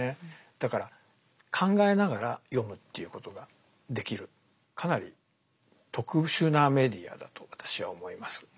だから考えながら読むっていうことができるかなり特殊なメディアだと私は思います。